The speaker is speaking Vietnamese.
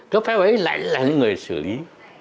cấp phép ấy lại là những người xử lý